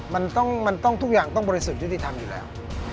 มันทุกอย่างต้องบริสูจน์ยุดิธรรมอยู่แล้ว